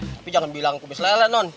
tapi jangan bilang kumis lelek non